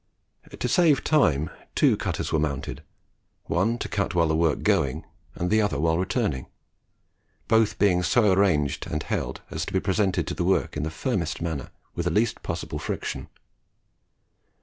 To save time two cutters were mounted, one to cut the work while going, the other while returning, both being so arranged and held as to be presented to the work in the firmest manner, and with the least possible friction.